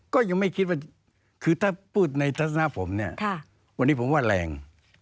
ก็ยังไม่คิดว่าคือถ้าพูดในทัศนะผมเนี่ยวันนี้ผมว่าแรง